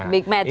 big match ya